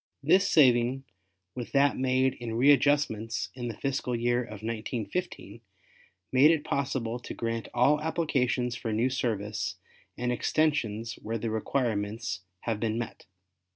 This saving with that made in readjustments in the fiscal year of 1915, made it possible to grant all applications for new service and extensions where the requirements have been met.